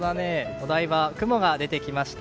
お台場、雲が出てきました。